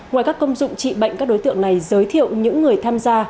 ngoài các công dụng trị bệnh các đối tượng này giới thiệu những người tham gia